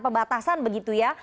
pembatasan begitu ya